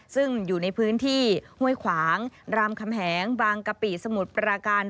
ซึ่งอยู่ในพื้นที่ห้วยขวางรามคำแหงบางกะปิสมุทรปราการ